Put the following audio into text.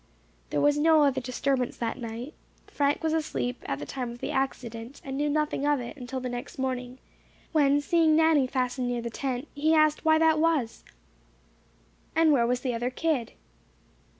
There was no other disturbance that night. Frank was asleep at the time of the accident, and knew nothing of it until the next morning, when seeing Nanny fastened near the tent, he asked why that was, and where was the other kid.